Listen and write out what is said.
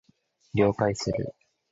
了解する